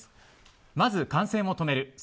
まず、感染を止める。